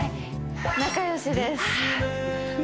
仲良しです